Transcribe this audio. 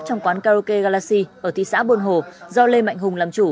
trong quán karaoke galaxy ở thị xã buôn hồ do lê mạnh hùng làm chủ